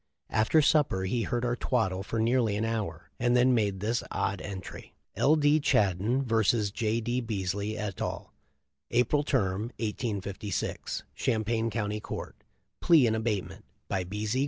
After supper he heard our twaddle for nearly an hour, and then made this odd entry : 'L. D. Chaddon vs. J. D. Beasley et al. April Term, 1856. Champaign County Court. Plea in abatement by B. Z.